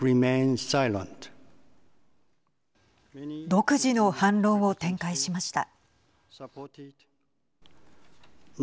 独自の反論を展開しました。